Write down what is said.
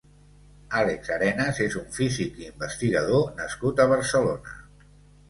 Alex Arenas és un físic i investigador nascut a Barcelona.